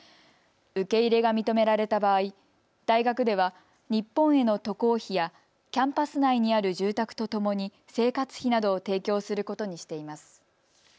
受け入れが認められた場合、大学では日本への渡航費やキャンパス内にある住宅とともに生活費などを提供することにしています。